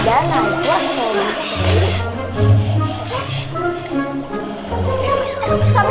bunga naik lah soalnya